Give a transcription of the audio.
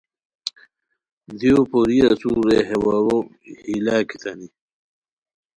دیو پوری اسور رے ہے واؤو یی لاکیتانی